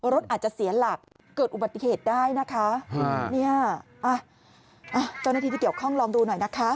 รถอาจจะเสียหลักเกิดอุบัติเหตุได้นะคะเนี่ยเจ้าหน้าที่ที่เกี่ยวข้องลองดูหน่อยนะคะ